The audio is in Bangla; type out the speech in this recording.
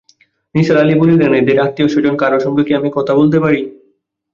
নিসার আলি বললেন, এদের আত্মীয়স্বজন কারো সঙ্গে কি আমি কথা বলতে পারি?